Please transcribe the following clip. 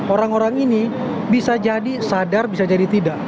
orang orang ini bisa jadi sadar bisa jadi tidak